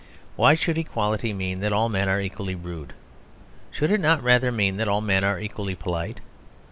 Why should equality mean that all men are equally rude? Should it not rather mean that all men are equally polite?